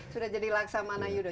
sudah jadi laksamana yudho